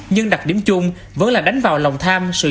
nhưng đặc điểm chung vẫn là đánh vào lòng tham